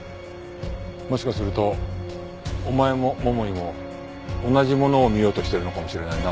もしかするとお前も桃井も同じものを見ようとしてるのかもしれないな。